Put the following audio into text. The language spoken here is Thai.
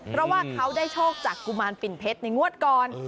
เพราะว่าเขาได้โชคจากกุมารปิ่นเพชรในงวดก่อน